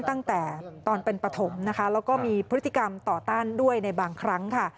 ตั้งแต่ตอนเป็นปฐมนะคะแล้วก็มีพฤติกรรมต่อต้านด้วยในบางครั้งค่ะ